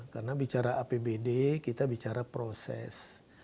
karena bicara apbd kita bicara proses